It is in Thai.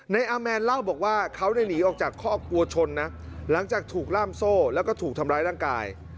อาแมนเล่าบอกว่าเขาได้หนีออกจากคอกวัวชนนะหลังจากถูกล่ามโซ่แล้วก็ถูกทำร้ายร่างกาย